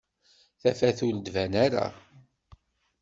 Tafat ur d-tban ara